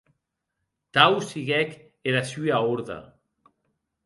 Tau siguec era sua orde.